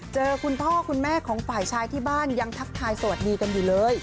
คุณพ่อคุณแม่ของฝ่ายชายที่บ้านยังทักทายสวัสดีกันอยู่เลย